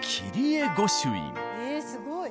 ええすごい。